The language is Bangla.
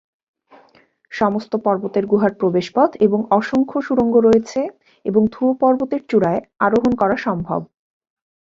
সমস্ত পর্বতের গুহার প্রবেশ পথ এবং অসংখ্য সুড়ঙ্গ রয়েছে এবং থুয় পর্বতের চূড়ায় আরোহণ করা সম্ভব।